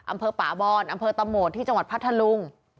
อำเภอป่าบอนอำเภอตะโหมดที่จังหวัดพัทธลุง